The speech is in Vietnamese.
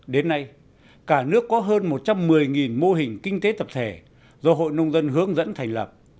đến nay cả nước có hơn một trăm một mươi mô hình kinh tế tập thể do hội nông dân hướng dẫn thành lập